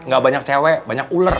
gak banyak cewe banyak uler